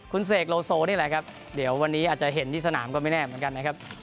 คุณเสกโลโซนี่แหละครับเดี๋ยววันนี้อาจจะเห็นที่สนามก็ไม่แน่เหมือนกันนะครับ